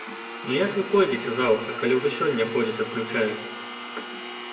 Ну як вы пойдзеце заўтра, калі ўжо сёння ходзяць адключаюць.